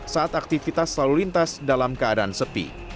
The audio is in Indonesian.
saat aktivitas selalu lintas dalam keadaan sepi